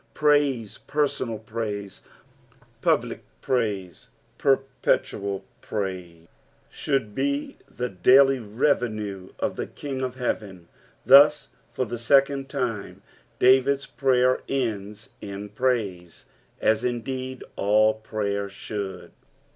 Praise — personal praise, public praise, per petual praise— should be the daily revenue of the King of heaven. Thua, for the second time, David's prayer ends iu praise, as Indeed alt prayer should.